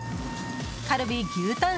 カルビ・牛タン